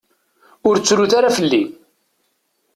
Ur ttrut ara fell-i.